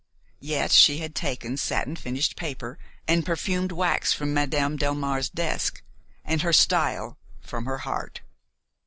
Yet she had taken satin finished paper and perfumed wax from Madame Delmare's desk, and her style from her heart.